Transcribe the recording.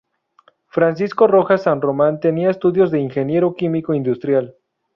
Francisco Rojas San Román tenía estudios de ingeniero químico industrial.